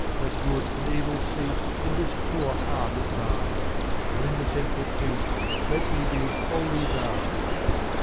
Let good and evil cease In this poor heart of mine, And in the Central Peace Let me be wholly Thine.